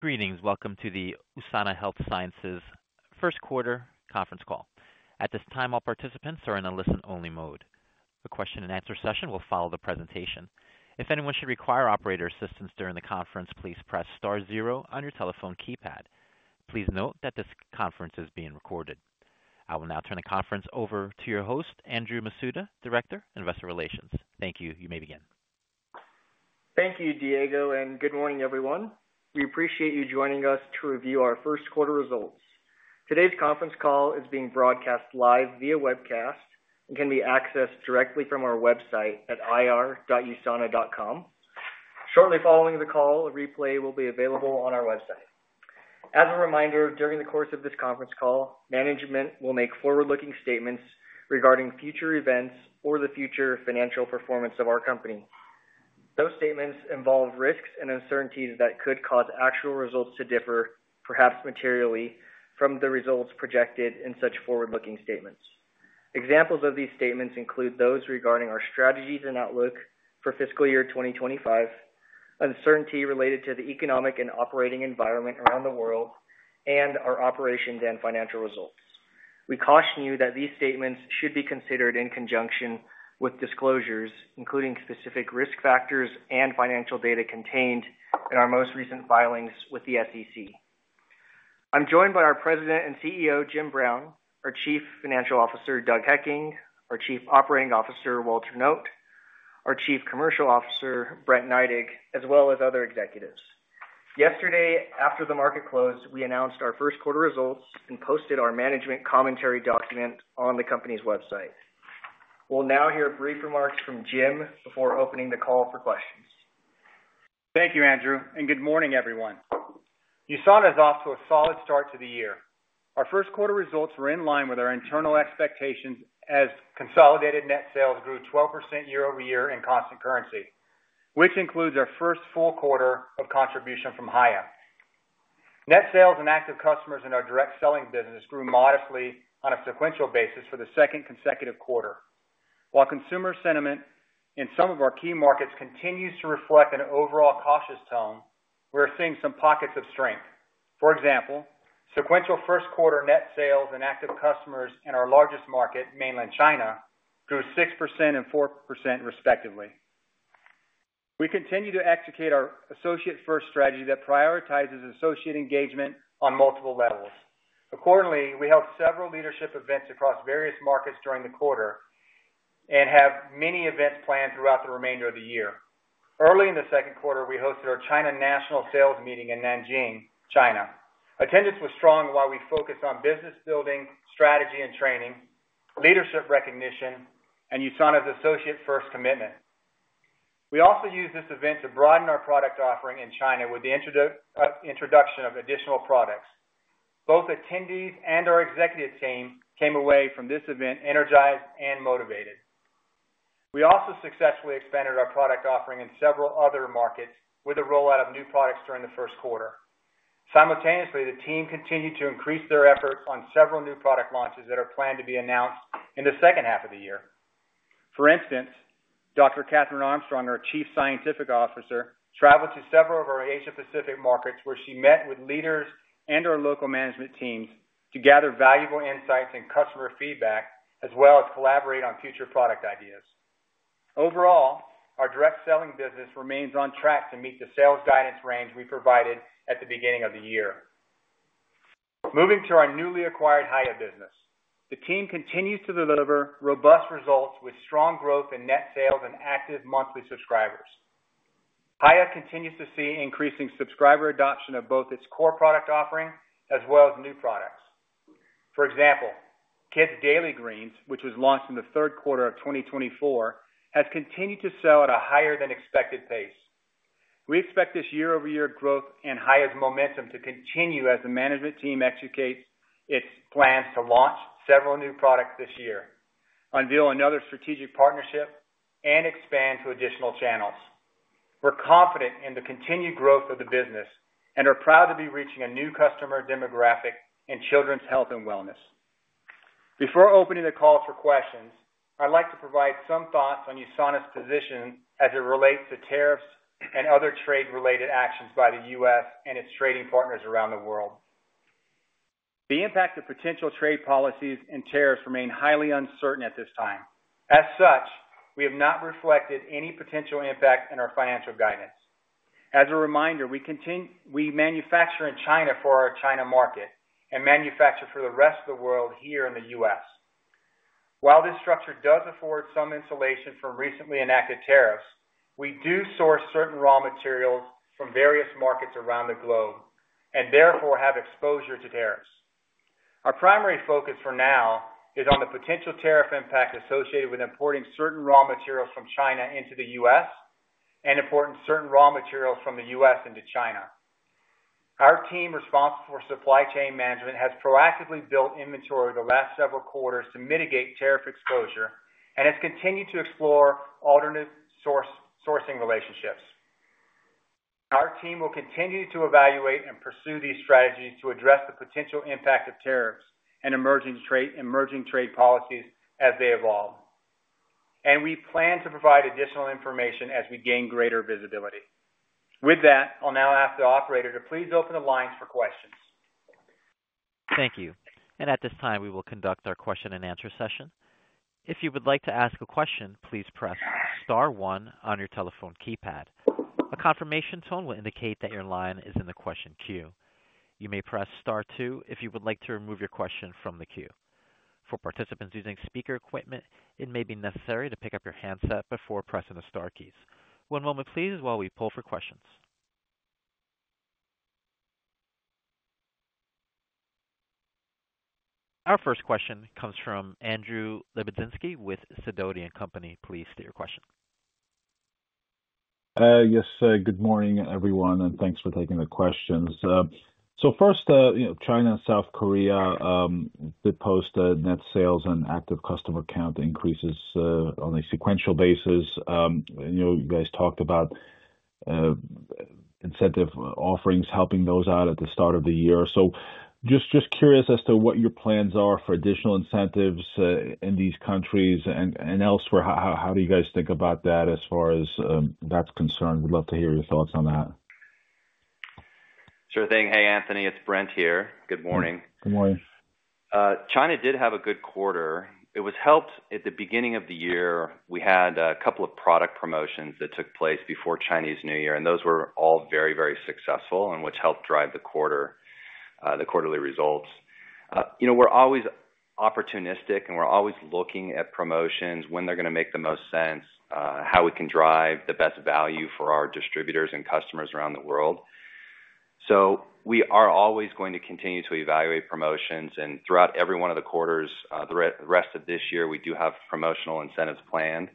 Greetings. Welcome to the USANA Health Sciences first quarter conference call. At this time, all participants are in a listen-only mode. The question-and-answer session will follow the presentation. If anyone should require operator assistance during the conference, please press star zero on your telephone keypad. Please note that this conference is being recorded. I will now turn the conference over to your host, Andrew Masuda, Director, Investor Relations. Thank you. You may begin. Thank you, Diego, and good morning, everyone. We appreciate you joining us to review our first quarter results. Today's conference call is being broadcast live via webcast and can be accessed directly from our website at ir.usana.com. Shortly following the call, a replay will be available on our website. As a reminder, during the course of this conference call, management will make forward-looking statements regarding future events or the future financial performance of our company. Those statements involve risks and uncertainties that could cause actual results to differ, perhaps materially, from the results projected in such forward-looking statements. Examples of these statements include those regarding our strategies and outlook for fiscal year 2025, uncertainty related to the economic and operating environment around the world, and our operations and financial results. We caution you that these statements should be considered in conjunction with disclosures, including specific risk factors and financial data contained in our most recent filings with the SEC. I'm joined by our President and CEO, Jim Brown, our Chief Financial Officer, Doug Hekking, our Chief Operating Officer, Walter Noot, our Chief Commercial Officer, Brent Neidig, as well as other executives. Yesterday, after the market closed, we announced our first quarter results and posted our management commentary document on the company's website. We'll now hear brief remarks from Jim before opening the call for questions. Thank you, Andrew. Good morning, everyone. USANA is off to a solid start to the year. Our first quarter results were in line with our internal expectations as consolidated net sales grew 12% year over year in constant currency, which includes our first full quarter of contribution from Hiya. Net sales and active customers in our direct selling business grew modestly on a sequential basis for the second consecutive quarter. While consumer sentiment in some of our key markets continues to reflect an overall cautious tone, we're seeing some pockets of strength. For example, sequential first quarter net sales and active customers in our largest market, Mainland China, grew 6% and 4%, respectively. We continue to execute our Associate First strategy that prioritizes associate engagement on multiple levels. Accordingly, we held several leadership events across various markets during the quarter and have many events planned throughout the remainder of the year. Early in the second quarter, we hosted our China National Sales Meeting in Nanjing, China. Attendance was strong while we focused on business building, strategy, and training, leadership recognition, and USANA's Associate First commitment. We also used this event to broaden our product offering in China with the introduction of additional products. Both attendees and our executive team came away from this event energized and motivated. We also successfully expanded our product offering in several other markets with the rollout of new products during the first quarter. Simultaneously, the team continued to increase their efforts on several new product launches that are planned to be announced in the second half of the year. For instance, Dr. Catherine Armstrong, our Chief Scientific Officer, traveled to several of our Asia-Pacific markets where she met with leaders and our local management teams to gather valuable insights and customer feedback, as well as collaborate on future product ideas. Overall, our direct selling business remains on track to meet the sales guidance range we provided at the beginning of the year. Moving to our newly acquired Hiya business, the team continues to deliver robust results with strong growth in net sales and active monthly subscribers. Hiya continues to see increasing subscriber adoption of both its core product offering as well as new products. For example, Kids Daily Greens, which was launched in the third quarter of 2024, has continued to sell at a higher-than-expected pace. We expect this year-over-year growth and Hiya's momentum to continue as the management team executes its plans to launch several new products this year, unveil another strategic partnership, and expand to additional channels. We're confident in the continued growth of the business and are proud to be reaching a new customer demographic in children's health and wellness. Before opening the call for questions, I'd like to provide some thoughts on USANA's position as it relates to tariffs and other trade-related actions by the U.S. and its trading partners around the world. The impact of potential trade policies and tariffs remains highly uncertain at this time. As such, we have not reflected any potential impact in our financial guidance. As a reminder, we manufacture in China for our China market and manufacture for the rest of the world here in the U.S. While this structure does afford some insulation from recently enacted tariffs, we do source certain raw materials from various markets around the globe and therefore have exposure to tariffs. Our primary focus for now is on the potential tariff impact associated with importing certain raw materials from China into the U.S. and importing certain raw materials from the U.S. into China. Our team responsible for supply chain management has proactively built inventory the last several quarters to mitigate tariff exposure and has continued to explore alternative sourcing relationships. Our team will continue to evaluate and pursue these strategies to address the potential impact of tariffs and emerging trade policies as they evolve. We plan to provide additional information as we gain greater visibility. With that, I'll now ask the operator to please open the lines for questions. Thank you. At this time, we will conduct our question-and-answer session. If you would like to ask a question, please press star one on your telephone keypad. A confirmation tone will indicate that your line is in the question queue. You may press star two if you would like to remove your question from the queue. For participants using speaker equipment, it may be necessary to pick up your handset before pressing the star keys. One moment, please, while we pull for questions. Our first question comes from Anthony Lebiedzinski with Sidoti & Company. Please state your question. Yes. Good morning, everyone, and thanks for taking the questions. First, China and South Korea did post net sales and active customer count increases on a sequential basis. You guys talked about incentive offerings, helping those out at the start of the year. Just curious as to what your plans are for additional incentives in these countries and elsewhere. How do you guys think about that as far as that's concerned? We'd love to hear your thoughts on that. Sure thing. Hey, Anthony, it's Brent here. Good morning. Good morning. China did have a good quarter. It was helped at the beginning of the year. We had a couple of product promotions that took place before Chinese New Year, and those were all very, very successful, which helped drive the quarterly results. We're always opportunistic, and we're always looking at promotions, when they're going to make the most sense, how we can drive the best value for our distributors and customers around the world. We are always going to continue to evaluate promotions. Throughout every one of the quarters, the rest of this year, we do have promotional incentives planned.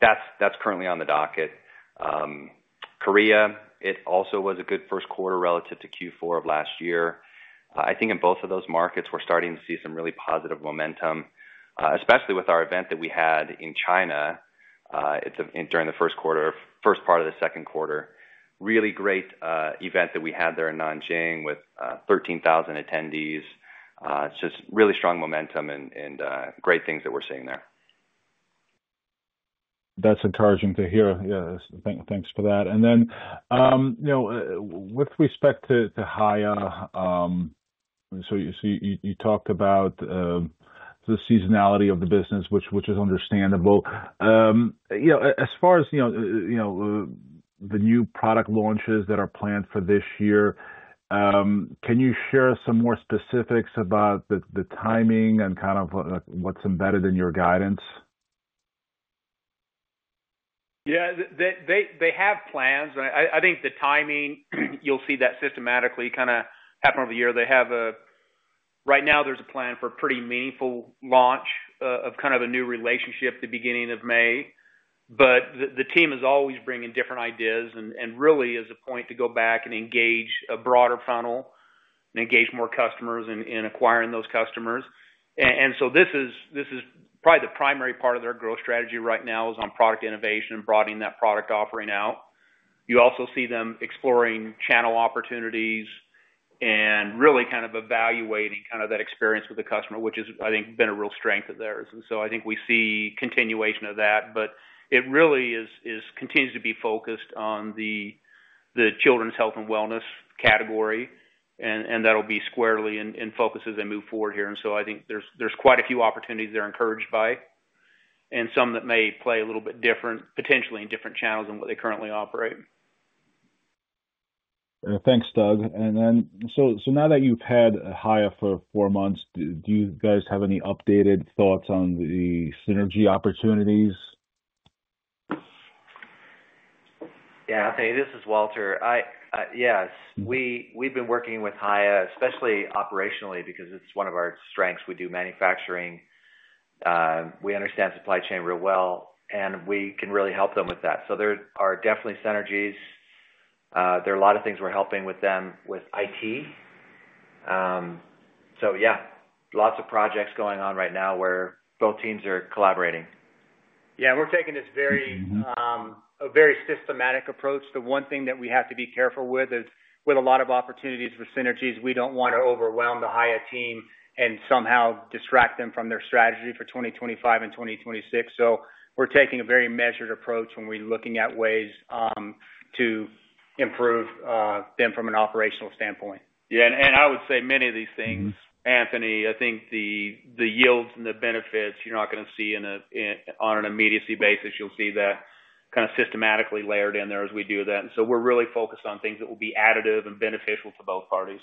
That's currently on the docket. Korea, it also was a good first quarter relative to Q4 of last year. I think in both of those markets, we're starting to see some really positive momentum, especially with our event that we had in China during the first part of the second quarter. Really great event that we had there in Nanjing with 13,000 attendees. It's just really strong momentum and great things that we're seeing there. That's encouraging to hear. Yeah. Thanks for that. With respect to Hiya, you talked about the seasonality of the business, which is understandable. As far as the new product launches that are planned for this year, can you share some more specifics about the timing and kind of what's embedded in your guidance? Yeah. They have plans. I think the timing, you'll see that systematically kind of happen over the year. Right now, there's a plan for a pretty meaningful launch of kind of a new relationship at the beginning of May. The team is always bringing different ideas and really is a point to go back and engage a broader funnel and engage more customers in acquiring those customers. This is probably the primary part of their growth strategy right now is on product innovation and broadening that product offering out. You also see them exploring channel opportunities and really kind of evaluating kind of that experience with the customer, which has, I think, been a real strength of theirs. I think we see continuation of that. It really continues to be focused on the children's health and wellness category. That will be squarely in focus as they move forward here. I think there are quite a few opportunities they are encouraged by and some that may play a little bit different, potentially in different channels than what they currently operate. Thanks, Doug. Now that you've had Hiya for four months, do you guys have any updated thoughts on the synergy opportunities? Yeah. I'll tell you, this is Walter. Yes. We've been working with Hiya, especially operationally, because it's one of our strengths. We do manufacturing. We understand supply chain real well, and we can really help them with that. There are definitely synergies. There are a lot of things we're helping with them with IT. Yeah, lots of projects going on right now where both teams are collaborating. Yeah. We're taking this very systematic approach. The one thing that we have to be careful with is with a lot of opportunities for synergies, we don't want to overwhelm the Hiya team and somehow distract them from their strategy for 2025 and 2026. We're taking a very measured approach when we're looking at ways to improve them from an operational standpoint. Yeah. I would say many of these things, Anthony, I think the yields and the benefits you're not going to see on an immediacy basis. You'll see that kind of systematically layered in there as we do that. We're really focused on things that will be additive and beneficial to both parties.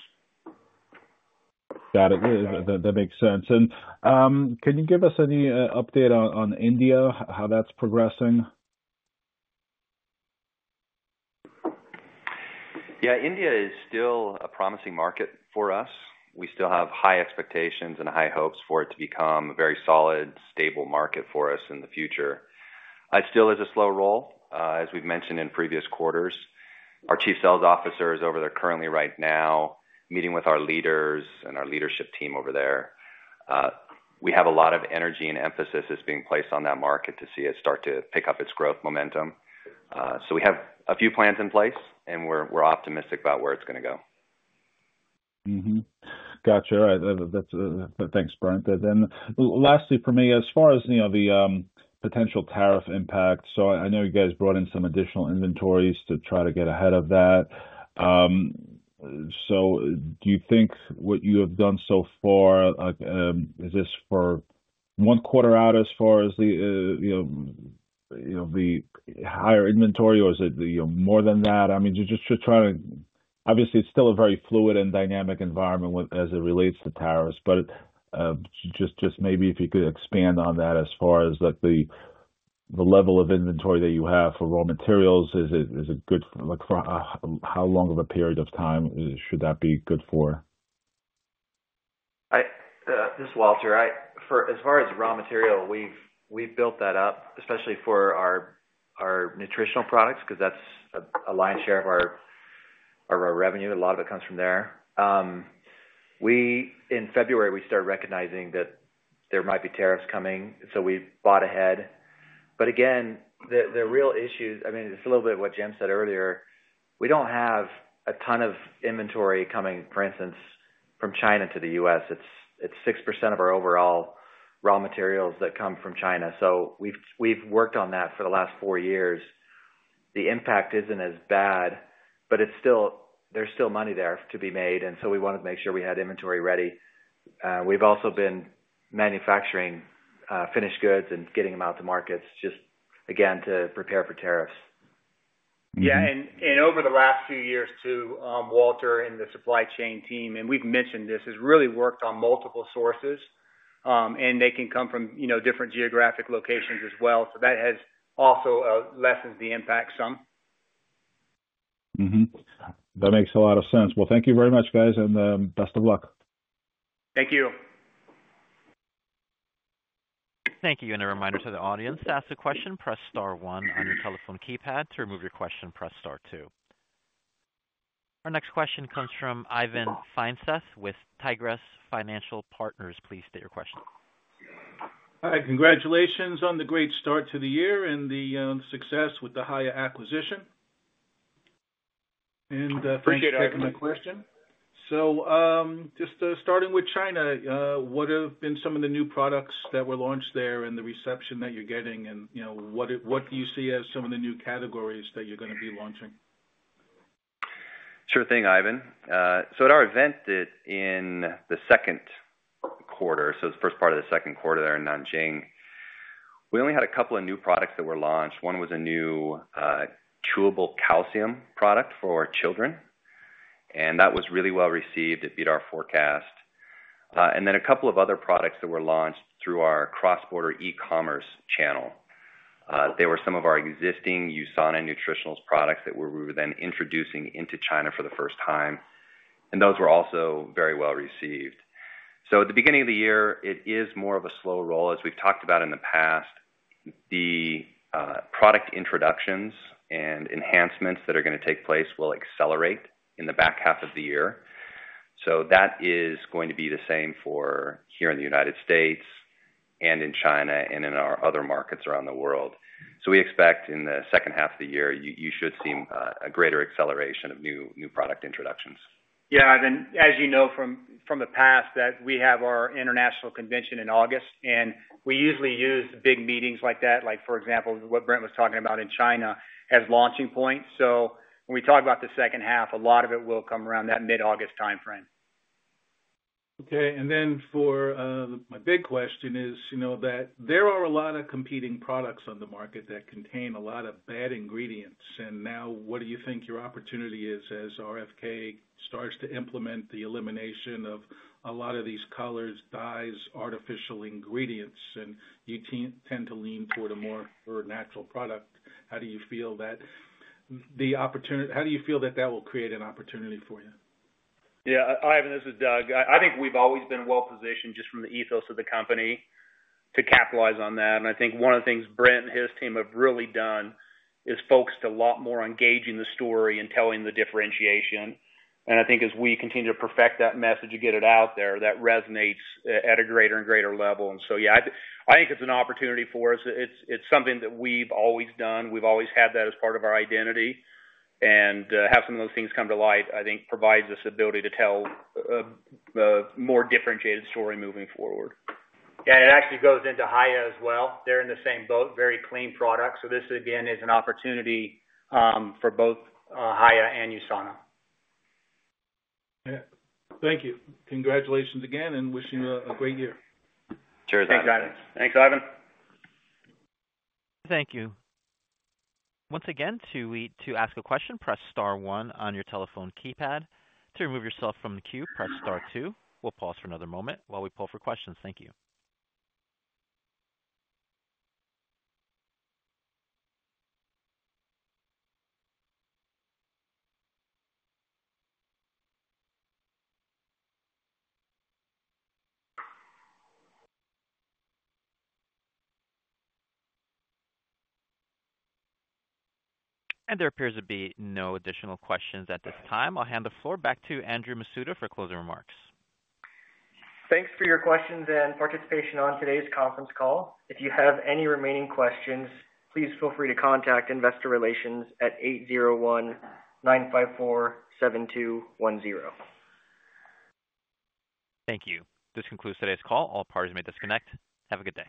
Got it. That makes sense. Can you give us any update on India, how that's progressing? Yeah. India is still a promising market for us. We still have high expectations and high hopes for it to become a very solid, stable market for us in the future. It still is a slow roll, as we've mentioned in previous quarters. Our Chief Sales Officer is over there currently right now, meeting with our leaders and our leadership team over there. We have a lot of energy and emphasis that's being placed on that market to see it start to pick up its growth momentum. We have a few plans in place, and we're optimistic about where it's going to go. Gotcha. Thanks, Brent. Lastly for me, as far as the potential tariff impact, I know you guys brought in some additional inventories to try to get ahead of that. Do you think what you have done so far, is this for one quarter out as far as the higher inventory, or is it more than that? I mean, just trying to obviously, it's still a very fluid and dynamic environment as it relates to tariffs. Just maybe if you could expand on that as far as the level of inventory that you have for raw materials, is it good for how long of a period of time should that be good for? This is Walter. As far as raw material, we've built that up, especially for our nutritional products because that's a lion's share of our revenue. A lot of it comes from there. In February, we started recognizing that there might be tariffs coming, so we bought ahead. The real issue, I mean, it's a little bit of what Jim said earlier. We don't have a ton of inventory coming, for instance, from China to the U.S. It's 6% of our overall raw materials that come from China. We've worked on that for the last four years. The impact isn't as bad, but there's still money there to be made. We wanted to make sure we had inventory ready. We've also been manufacturing finished goods and getting them out to markets, just again, to prepare for tariffs. Yeah. Over the last few years, too, Walter and the supply chain team, and we've mentioned this, has really worked on multiple sources. They can come from different geographic locations as well. That has also lessened the impact some. That makes a lot of sense. Thank you very much, guys, and best of luck. Thank you. Thank you. A reminder to the audience, to ask a question, press star one on your telephone keypad. To remove your question, press star two. Our next question comes from Ivan Feinseth with Tigress Financial Partners. Please state your question. Hi. Congratulations on the great start to the year and the success with the Hiya acquisition. Thanks for taking my question. Just starting with China, what have been some of the new products that were launched there and the reception that you're getting? What do you see as some of the new categories that you're going to be launching? Sure thing, Ivan. At our event in the second quarter, the first part of the second quarter there in Nanjing, we only had a couple of new products that were launched. One was a new chewable calcium product for children. That was really well received. It beat our forecast. A couple of other products were launched through our cross-border e-commerce channel. They were some of our existing USANA nutritional products that we were then introducing into China for the first time. Those were also very well received. At the beginning of the year, it is more of a slow roll. As we've talked about in the past, the product introductions and enhancements that are going to take place will accelerate in the back half of the year. That is going to be the same for here in the United States and in China and in our other markets around the world. We expect in the second half of the year, you should see a greater acceleration of new product introductions. Yeah. As you know from the past, we have our international convention in August. We usually use big meetings like that, like for example, what Brent was talking about in China as launching points. When we talk about the second half, a lot of it will come around that mid-August timeframe. Okay. For my big question, there are a lot of competing products on the market that contain a lot of bad ingredients. What do you think your opportunity is as RFK starts to implement the elimination of a lot of these colors, dyes, artificial ingredients, and you tend to lean toward a more natural product? How do you feel that the opportunity—how do you feel that that will create an opportunity for you? Yeah. Hi, Ivan. This is Doug. I think we've always been well positioned just from the ethos of the company to capitalize on that. I think one of the things Brent and his team have really done is focused a lot more on gauging the story and telling the differentiation. I think as we continue to perfect that message and get it out there, that resonates at a greater and greater level. Yeah, I think it's an opportunity for us. It's something that we've always done. We've always had that as part of our identity. Having some of those things come to light, I think, provides us the ability to tell a more differentiated story moving forward. Yeah, it actually goes into Hiya as well. They're in the same boat, very clean products. This, again, is an opportunity for both Hiya and USANA. Thank you. Congratulations again and wish you a great year. Cheers. Thanks, Ivan. Thank you. Once again, to ask a question, press star one on your telephone keypad. To remove yourself from the queue, press star two. We'll pause for another moment while we pull for questions. Thank you. There appears to be no additional questions at this time. I'll hand the floor back to Andrew Masuda for closing remarks. Thanks for your questions and participation on today's conference call. If you have any remaining questions, please feel free to contact Investor Relations at 801-954-7210. Thank you. This concludes today's call. All parties may disconnect. Have a good day.